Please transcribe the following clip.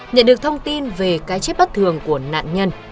nhận được thông tin về cái chết bất thường của nạn nhân